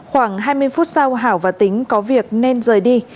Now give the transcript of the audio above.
khoảng hai mươi phút sau hảo và tính có việc nên rời đi